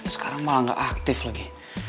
sekarang malah gak aktif lagi